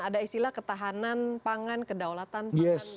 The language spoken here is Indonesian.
ada istilah ketahanan pangan kedaulatan pangan